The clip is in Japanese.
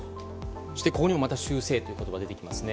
そして、ここにも修正という言葉出てきますね。